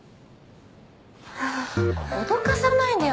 脅かさないでよ。